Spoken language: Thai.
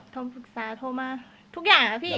โทรปรึกษาโทรมาทุกอย่างค่ะพี่